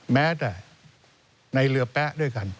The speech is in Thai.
แม้แต่ในเรือแป๊ะด้วยกัน